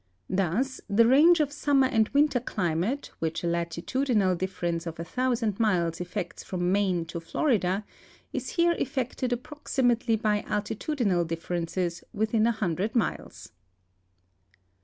Thus the range of summer and winter climate which a latitudinal difference of a thousand miles effects from Maine to Florida is here effected approximately by altitudinal differences within a hundred miles.